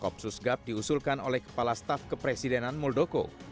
kopsus gap diusulkan oleh kepala staf kepresidenan muldoko